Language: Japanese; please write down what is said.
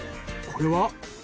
これは？